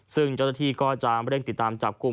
ซึ่งเจ้าหน้าที่ก็จะเร่งติดตามจับกลุ่ม